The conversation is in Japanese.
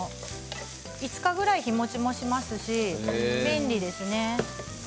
５日ぐらい日もちもしますし便利ですね。